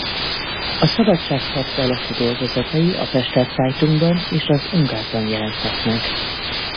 A szabadságharc alatti dolgozatai a Pester Zeitung-ban és az Ungar-ban jelentek meg.